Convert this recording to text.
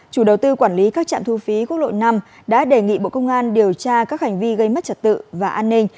chủ đầu tư quản lý các trạm thu phí quốc lộ năm đã đề nghị bộ công an điều tra các hành vi gây mất trật tự và an ninh